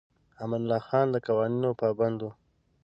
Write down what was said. امان الله خان د قوانینو پابند و.